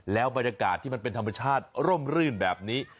แล้วบรรยากาศที่มันเป็นธรรมชาติร่มรื่นแบบนี้